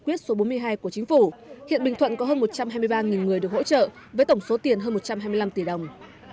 quyết số bốn mươi hai của chính phủ hiện bình thuận có hơn một trăm hai mươi ba người được hỗ trợ với tổng số tiền hơn một trăm hai mươi năm tỷ đồng